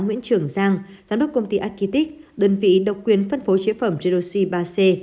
nguyễn trường giang giám đốc công ty akitik đơn vị độc quyền phân phối chế phẩm redoxi ba c